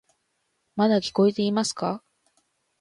まだ聞こえていますか？